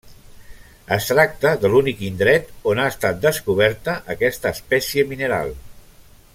Es tracta de l'únic indret on ha estat descoberta aquesta espècie mineral.